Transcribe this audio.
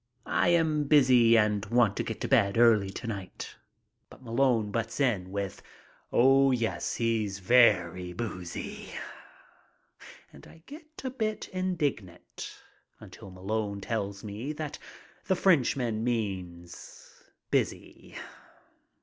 "I am busy and want to get to bed early to night." But Malone butts in with, "Oh yes, he's very boozy." And I get a bit indignant until Malone tells me that the Frenchman means "busy."